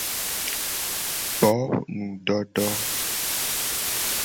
Bo nudodo.